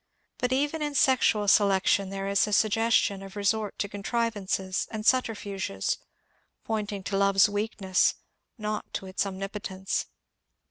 But even in sexual selection there is a suggestion of resort to contriv ances and subterfuges, pointing to love's weakness, not to its omnipotence.